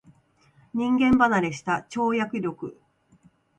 人間離れした跳躍力